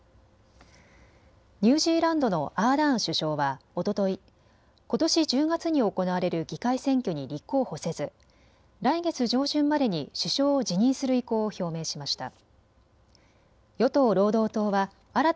ニュージーランドのアーダーン首相はおととい、ことし１０月に行われる議会選挙に立候補せず来月上旬までに首相を辞任する意向を表明しました。